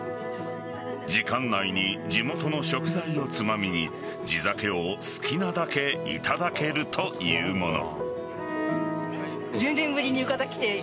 時間内に地元の食材をつまみに地酒を好きなだけ頂けるというもの。